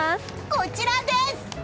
こちらです！